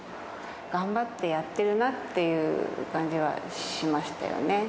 頑張ってやってるなっていう感じはしましたよね。